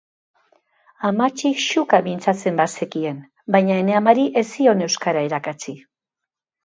Amatxik xuka mintzatzen bazekien, baina ene amari ez zion euskara irakatsi.